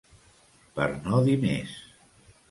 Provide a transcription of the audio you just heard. Per no dir més.